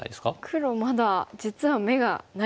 黒まだ実は眼がないですね。